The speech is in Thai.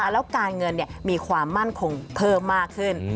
แล้วการเงินมีความมั่นคงเพิ่มมากขึ้น